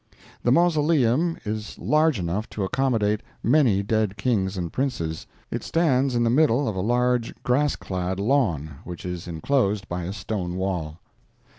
The mausoleum is large enough to accommodate many dead Kings and Princes. It stands in the middle of a large grass clad lawn, which is inclosed by a stone wall.